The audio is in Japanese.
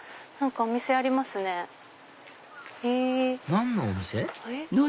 何のお店？